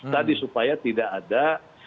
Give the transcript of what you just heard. tadi supaya tidak ada